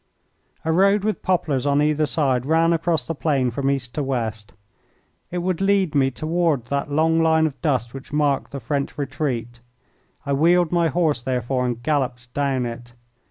A road with poplars on either side ran across the plain from east to west. It would lead me toward that long line of dust which marked the French retreat. I wheeled my horse, therefore, and galloped down it.